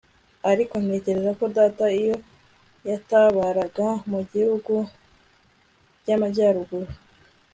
ariko ntekereje ko data, iyo yatabaraga mu bihugu by'amajyaruguru